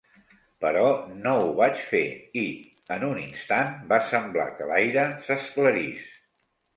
Però no ho vaig fer i, en un instant, va semblar que l'aire s'esclarís.